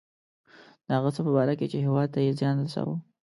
د هغه څه په باره کې چې هیواد ته یې زیان رساوه.